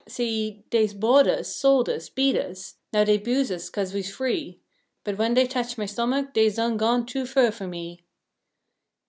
S' 'e: "Dey's bought us, sold us, beat us; now dey 'buse us 'ca'se we's free; But when dey tetch my stomach, dey's done gone too fur foh me!